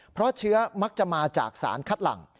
เพราะเชื้อมักจะมาจากสารคัดหลัง